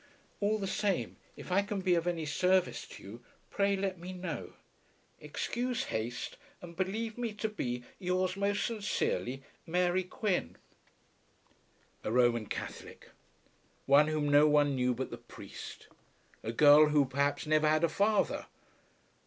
All the same if I can be of any service to you, pray let me know. Excuse haste. And believe me to be, Yours most sincerely, MARY QUIN. A Roman Catholic; one whom no one knew but the priest; a girl who perhaps never had a father!